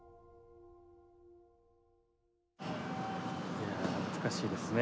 いや懐かしいですね。